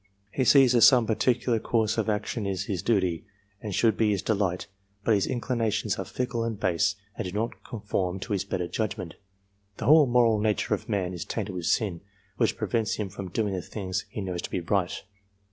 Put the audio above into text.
He sees that some particular course of action is his duty OF DIFFERENT RACES 337 and should be his delight ; but his inclinations are fickle and base, and do not conform to his better judgment. The whole moral nature of man is tainted with sin, which prevents him from doing the things he knows to be right.